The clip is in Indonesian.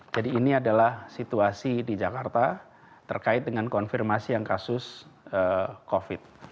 jadi ini adalah situasi di jakarta terkait dengan konfirmasi yang kasus covid